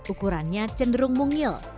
ukurannya cenderung mungil